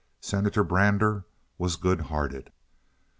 Senator Brander was good hearted.